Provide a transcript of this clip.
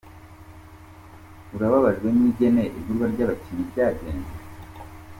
Q: Urababajwe n'ingene igurwa ry'abakinyi ryagenze? .